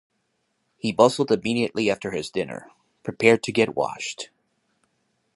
He bustled immediately after his dinner, prepared to get washed.